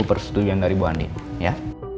persetujuan dari bu ani ya